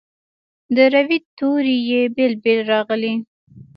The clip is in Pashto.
د روي توري یې بیل بیل راغلي.